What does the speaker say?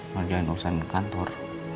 ngerjain urusan kantor